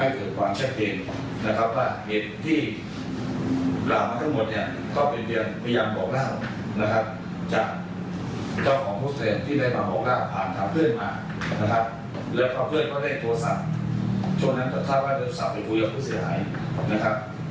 ก็จะให้ทางผู้เสียหายมาให้ปากคำให้เช็คเอง